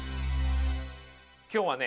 今日はね